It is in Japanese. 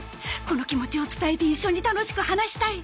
この気持ちを伝えて一緒に楽しく話したい